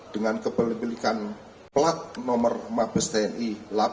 dengan keperlukan plat nomor mabes tni delapan puluh empat ribu tiga ratus tiga puluh tujuh